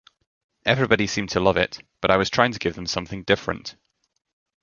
Everybody seemed to love it, but I was trying to give them something different.